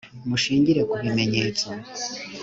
mushingire kubimenyetso.